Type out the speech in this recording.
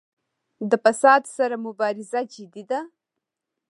د فساد سره مبارزه جدي ده؟